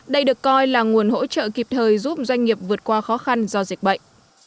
đây được coi là nguồn hỗ trợ kịp thời giúp doanh nghiệp vượt qua khó khăn do dịch bệnh